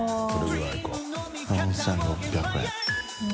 村上）４６００円。